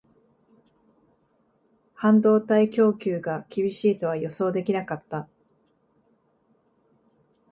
半導体供給が厳しいとは予想できなかった